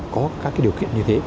có các điều kiện như thế